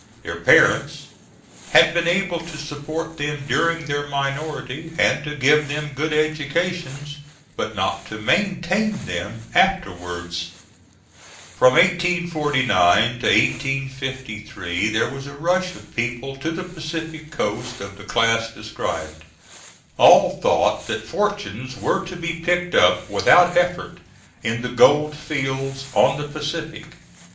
Their parents had been able to support them during their minority, and to give them good educations, but not to maintain them afterwards. From 1849 to 1853 there was a rush of people to the Pacific coast, of the class described. All thought that fortunes were to be picked up, without effort, in the gold fields on the Pacific.